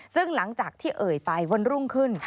ซึ่งหลังจากที่เอ่ยไปวันรุ่งขึ้น